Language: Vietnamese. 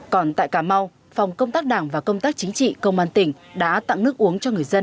còn tại cà mau phòng công tác đảng và công tác chính trị công an tỉnh đã tặng nước uống cho người dân